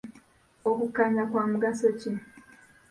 Okukkanya kwa mugaso ki?